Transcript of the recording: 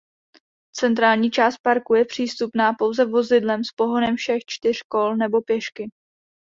Centrální část parku je přístupná pouze vozidlem s pohonem všech čtyř kol nebo pěšky.